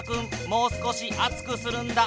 もう少し熱くするんだ。